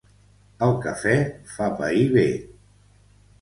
El cafè fa pair bé.